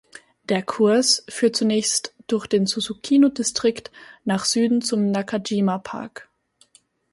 Der Kurs führt zunächst durch den Susukino-Distrikt nach Süden zum Nakajima-Park.